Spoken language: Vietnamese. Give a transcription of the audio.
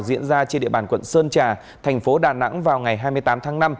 diễn ra trên địa bàn quận sơn trà thành phố đà nẵng vào ngày hai mươi tám tháng năm